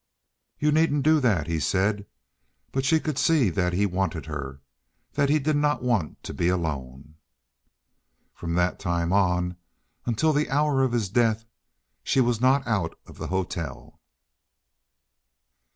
"You needn't do that," he said, but she could see that he wanted her, that he did not want to be alone. From that time on until the hour of his death she was not out of the hotel.